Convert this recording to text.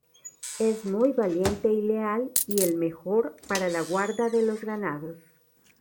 Es muy valiente y leal, y el mejor para la guarda de los ganados.